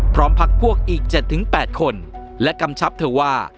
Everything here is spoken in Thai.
พร้อมพักพวกอีก๗๘คนและกำชับเถอะว่า